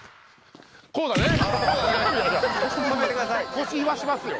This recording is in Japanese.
腰いわしますよ。